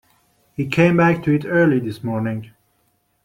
He came back to it early this morning.